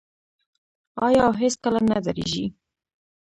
آیا او هیڅکله نه دریږي؟